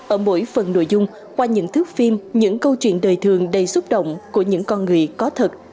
ở mỗi phần nội dung qua những thước phim những câu chuyện đời thường đầy xúc động của những con người có thật